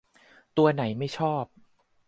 ตัวไหนไม่ชอบ